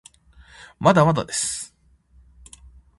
まだまだです